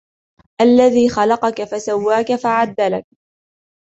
الذي خلقك فسواك فعدلك